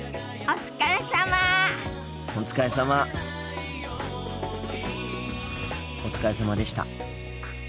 お疲れさまでした。